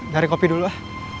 dari kopi dulu ah